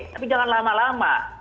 tapi jangan lama lama